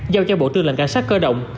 giao cho bộ trương lần cảnh sát cơ động